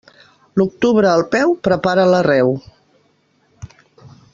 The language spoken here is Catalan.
L'octubre al peu, prepara l'arreu.